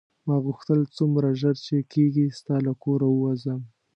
ما غوښتل څومره ژر چې کېږي ستا له کوره ووځم.